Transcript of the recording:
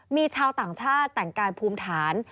มีชาวต่างชาติแต่งกายภูมิฐาน